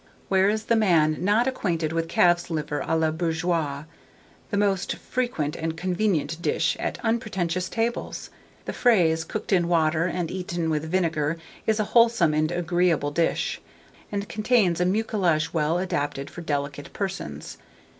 Where is the man not acquainted with calf's liver à la bourgeoise, the most frequent and convenient dish at unpretentious tables? The fraise, cooked in water, and eaten with vinegar, is a wholesome and agreeable dish, and contains a mucilage well adapted for delicate persons.